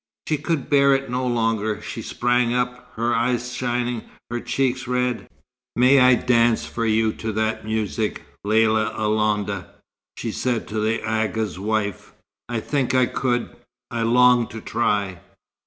She could bear it no longer. She sprang up, her eyes shining, her cheeks red. "May I dance for you to that music, Lella Alonda?" she said to the Agha's wife. "I think I could. I long to try."